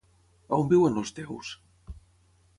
On viuen els teus.?